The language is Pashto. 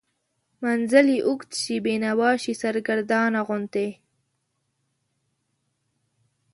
منزل یې اوږد شي، بینوا شي، سرګردانه غوندې